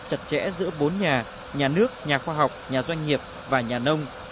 chặt chẽ giữa bốn nhà nhà nước nhà khoa học nhà doanh nghiệp và nhà nông